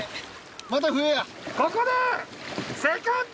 また笛や。